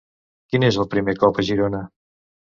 Quin és el primer cop a Girona?